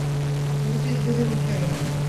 মন্ত্রী ধীরে ধীরে উঠিয়া গেলেন।